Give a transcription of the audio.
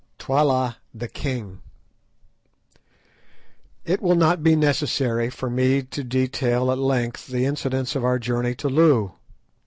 TWALA THE KING It will not be necessary for me to detail at length the incidents of our journey to Loo.